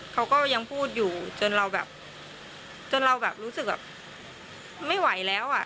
เขาก็ยังพูดอยู่จนเราแบบจนเราแบบรู้สึกแบบไม่ไหวแล้วอ่ะ